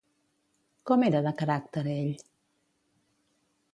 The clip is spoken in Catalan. Com era de caràcter ell?